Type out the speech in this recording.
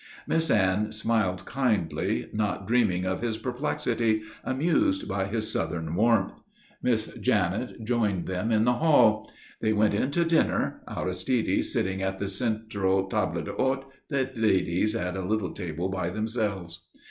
Miss Anne smiled kindly, not dreaming of his perplexity, amused by his Southern warmth. Miss Janet joined them in the hall. They went in to dinner, Aristide sitting at the central table d'hôte, the ladies at a little table by themselves.